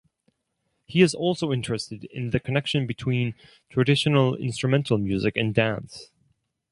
He is also interested in the connection between traditional instrumental music and dance.